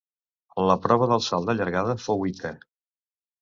En la prova del salt de llargada fou vuitè.